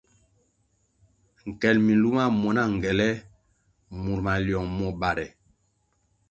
Nkel minluma muo na ngele mur maliong muo bãhra.